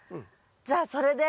じゃあそれで。